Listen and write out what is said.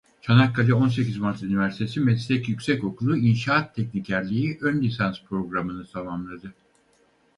Çanakkale Onsekiz Mart Üniversitesi Meslek Yüksekokulu İnşaat Teknikerliği önlisans programını tamamladı.